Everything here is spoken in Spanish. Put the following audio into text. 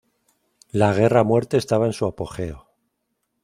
La Guerra a Muerte estaba en su apogeo.